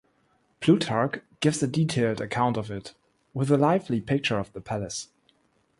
Plutarch gives a detailed account of it, with a lively picture of the palace.